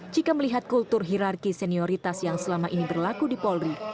jika melihat kultur hirarki senioritas yang selama ini berlaku di polri